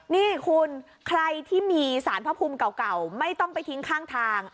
นี่คุณใครที่มีสารพระภูมิเก่าไม่ต้องไปทิ้งข้างทาง